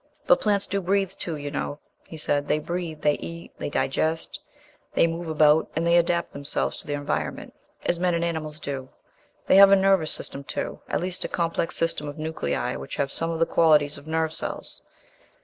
"But plants do breathe too, you know," he said. "They breathe, they eat, they digest, they move about, and they adapt themselves to their environment as men and animals do. They have a nervous system too... at least a complex system of nuclei which have some of the qualities of nerve cells.